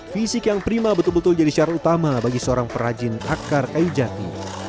fisik yang prima betul betul jadi syarat utama bagi seorang perajin akar kayu jati